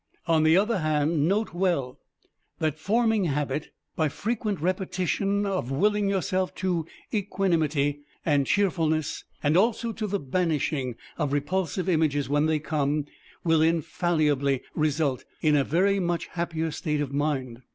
On the other hand, note well that forming habit by frequent repetition of willing yourself to equanimity and cheerfulness, and also to the banishing of repulsive images when they come, will infallibly result in a very much happier state of mind.